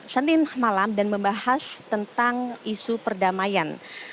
senin malam dan membahas tentang isu perdamaian